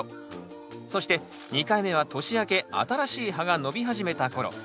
そして２回目は年明け新しい葉が伸び始めた頃。